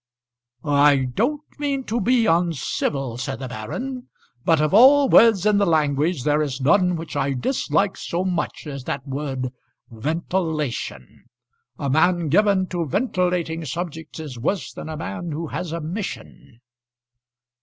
"I don't mean to be uncivil," said the baron, "but of all words in the language there is none which I dislike so much as that word ventilation. A man given to ventilating subjects is worse than a man who has a mission."